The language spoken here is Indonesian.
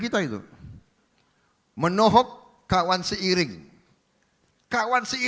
kita periakan bersama sama